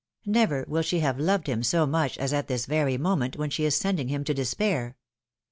Never will she have loved him so much as at this very moment, when she is sending him to despair.